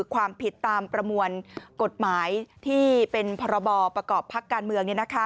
ความผิดตามประมวลกฎหมายที่เป็นพรบประกอบพักการเมือง